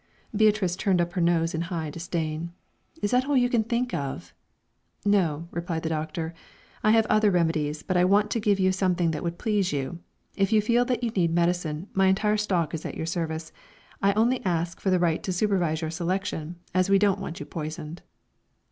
Beatrice turned up her nose in high disdain. "Is that all you can think of?" "No," replied the Doctor, "I have other remedies, but I want to give you something that would please you. If you feel that you need medicine, my entire stock is at your service. I ask only for the right to supervise your selection, as we don't want you poisoned."